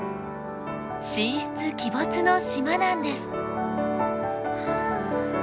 神出鬼没の島なんです。